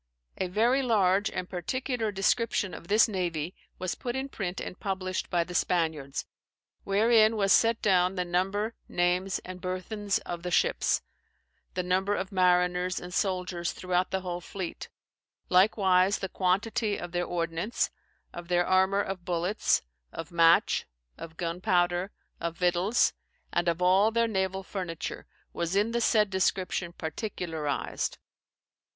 "A very large and particular description of this navie was put in print and published by the Spaniards; wherein was set downe the number, names, and burthens of the shippes, the number of mariners and soldiers throughout the whole fleete; likewise the quantitie of their ordinance, of their armour of bullets, of match, of gun poulder, of victuals, and of all their navall furniture, was in the saide description particularized.